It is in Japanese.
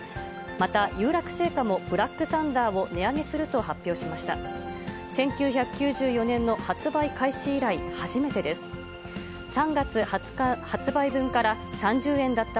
また、有楽製菓もブラックサンダーを値上げすると発表しました。